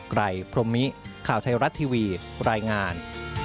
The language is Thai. ไรพรมมิข่าวไทยรัฐทีวีรายงาน